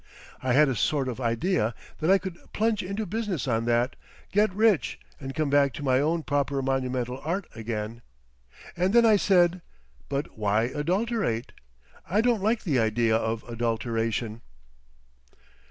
I had a sort of idea that I could plunge into business on that, get rich and come back to my own proper monumental art again. And then I said, 'But why adulterate? I don't like the idea of adulteration.